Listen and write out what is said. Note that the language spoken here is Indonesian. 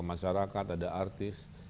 masyarakat ada artis